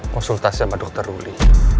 konsultasi sama dokter ruli